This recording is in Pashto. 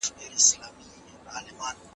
څنګه افغان صادروونکي تور جلغوزي ترکیې ته لیږدوي؟